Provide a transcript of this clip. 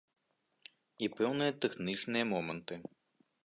І пэўныя тэхнічныя моманты.